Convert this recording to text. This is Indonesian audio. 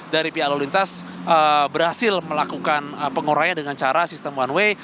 dari pihak lalu lintas berhasil melakukan penguraya dengan cara sistem one way